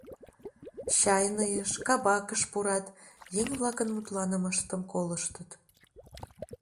Чайныйыш, кабакыш пурат, еҥ-влакын мутланымыштым колыштыт.